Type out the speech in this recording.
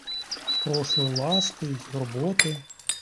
Прошу ласки й роботи.